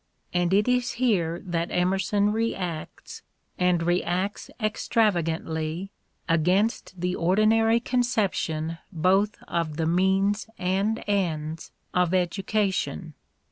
And it is here that Emerson reacts, and reacts extrava gantly, against the ordinary conception both of the means and ends of education.